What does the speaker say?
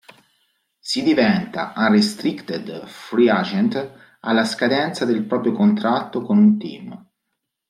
Si diventa "unrestricted free agent" alla scadenza del proprio contratto con un team.